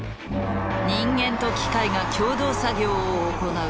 人間と機械が共同作業を行う「魔改造の夜」